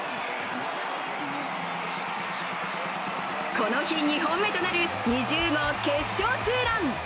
この日２本目となる２０号決勝ツーラン。